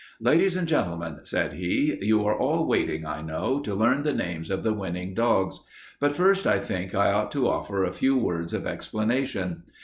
"Ladies and gentlemen," said he: "you are all waiting, I know, to learn the names of the winning dogs, but first I think I ought to offer a few words of explanation.